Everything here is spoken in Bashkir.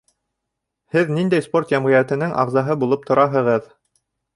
Һеҙ ниндәй спорт йәмғиәтенең ағзаһы булып тораһығыҙ?